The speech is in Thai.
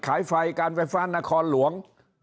ไฟการไฟฟ้านครหลวง